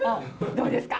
どうですか？